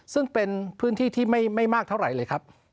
ซึ่งเป็นพื้นที่ที่ไม่มากเท่าไหร่เลยครับ